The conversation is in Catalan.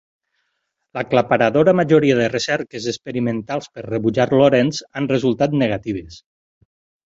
L'aclaparadora majoria de recerques experimentals per rebutjar Lorentz han resultat negatives.